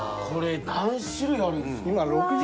これ何種類あるんですか？